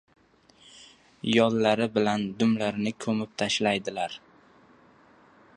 Yollari bilan dumlarini ko‘mib tashlaydilar.